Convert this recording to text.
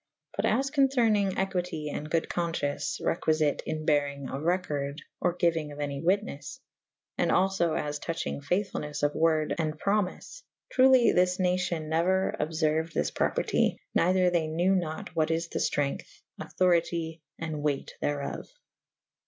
But as concernynge equitie and good confcience / requifite / in berynge of recorde/ or gyuynge of any wytnes /& alfo as touchynge faythfulnes of worde and prom yfe : truely this nacion neuer obferued this property, neyther they knewe nat what is the ftrength / [E i a] auctoritye / and weyght therof.